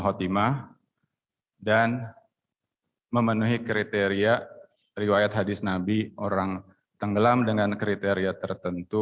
khotimah dan memenuhi kriteria riwayat hadis nabi orang tenggelam dengan kriteria tertentu